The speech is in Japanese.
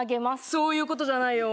そういうことじゃないよ